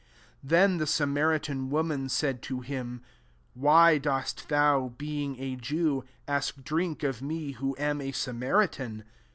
9 Then the Samaritan wo man said to him, « Why dost thou, being a Jew, ask drink of mcj who am a Samaritan